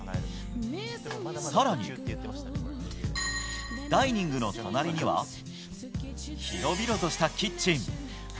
更に、ダイニングの隣には広々としたキッチン。